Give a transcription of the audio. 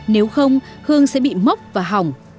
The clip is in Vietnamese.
nếu không hương sẽ bị mốc và hỏng